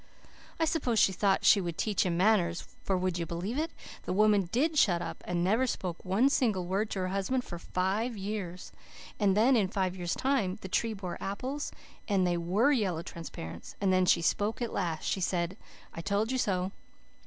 I suppose she thought she would teach him manners, for would you believe it? That woman did shut up, and never spoke one single word to her husband for five years. And then, in five years' time, the tree bore apples, and they WERE Yellow Transparents. And then she spoke at last. She said, 'I told you so.